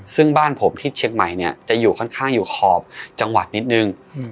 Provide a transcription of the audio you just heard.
ซึ่งบ้านผมที่เชียงใหม่เนี่ยจะอยู่ค่อนข้างอยู่ขอบจังหวัดนิดนึง